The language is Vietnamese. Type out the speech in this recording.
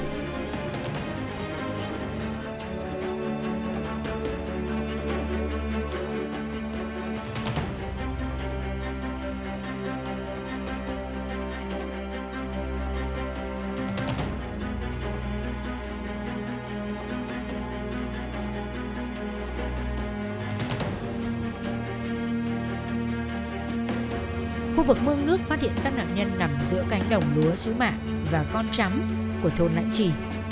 các khu vực mương nước phát hiện sát nạn nhân nằm giữa cánh đồng lúa sứ mạng và con trắm của thôn lãnh trì